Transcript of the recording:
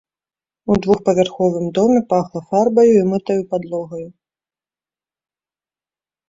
У двухпавярховым доме пахла фарбаю і мытаю падлогаю.